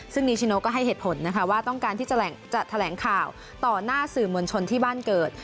ซึ่งนิชิโนก็ให้เหตุผลนะคะว่าต้องการที่จะแถลงข่าวต่อหน้าสื่อมวลชนที่บ้านเกิด